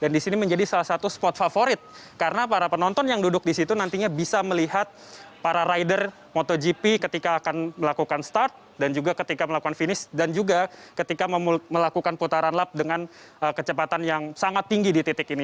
dan di sini menjadi salah satu tempat favorit karena para penonton yang duduk di situ nantinya bisa melihat para rider motogp ketika akan melakukan start dan juga ketika melakukan finish dan juga ketika melakukan putaran lap dengan kecepatan yang sangat tinggi di titik ini